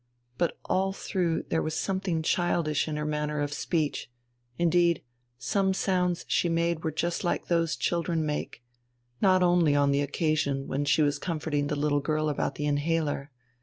But all through there was something childish in her manner of speech; indeed, some sounds she made were just like those children make not only on the occasion when she was comforting the little girl about the inhaler.